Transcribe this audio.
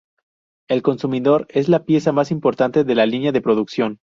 El consumidor es la pieza más importante de la línea de producción.